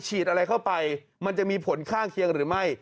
อะไรเข้าไปมันจะมีผลข้างเคียงหรือไม่